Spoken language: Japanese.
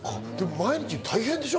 毎日大変でしょ？